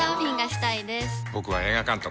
僕は映画監督。